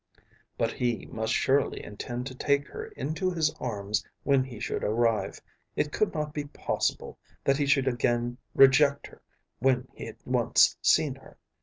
But he must surely intend to take her into his arms when he should arrive. It could not be possible that he should again reject her when he had once seen her.